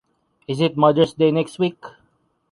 Is it Mother’s Day next week?